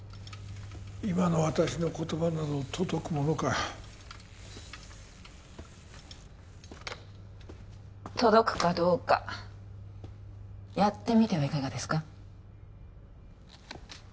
今の私の言葉など届くものか届くかどうかやってみてはいかがですか？